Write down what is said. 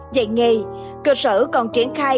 dạy nghề cơ sở còn triển khai